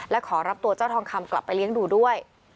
และขอรับตัวเจ้าทองคำกลับไปเลี้ยงดูด้วย